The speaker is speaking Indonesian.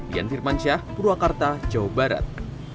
ian firman syah purwakarta jawa barat